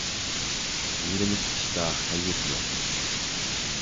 ھىيلىلىك ئىشتا خەير يوق.